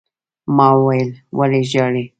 ما وويل: ولې ژاړې؟